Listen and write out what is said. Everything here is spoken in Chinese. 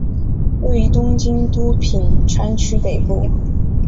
位于东京都品川区北部。